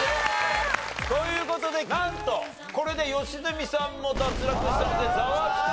という事でなんとこれで良純さんも脱落したのでザワつく！